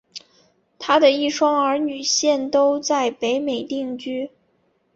她的一双儿女现都在北美定居。